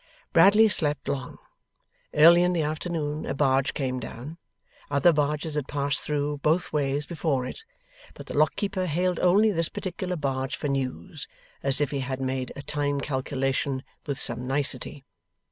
Bradley slept long. Early in the afternoon a barge came down. Other barges had passed through, both ways, before it; but the Lock keeper hailed only this particular barge, for news, as if he had made a time calculation with some nicety.